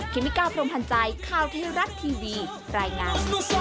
เมกาพรมพันธ์ใจข่าวเทวรัฐทีวีรายงาน